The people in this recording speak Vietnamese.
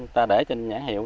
ta để trên nhà hiệu